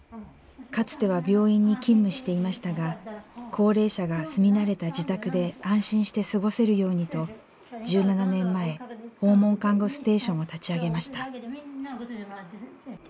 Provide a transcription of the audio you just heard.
かつては病院に勤務していましたが高齢者が住み慣れた自宅で安心して過ごせるようにと１７年前訪問看護ステーションを立ち上げました。